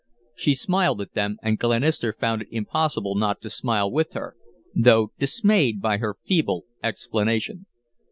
She smiled at them, and Glenister found it impossible not to smile with her, though dismayed by her feeble explanation.